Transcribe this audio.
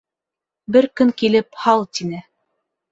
Бер көн килеп «һал» тине.